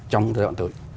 trong thời gian tới